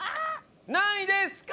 何位ですか？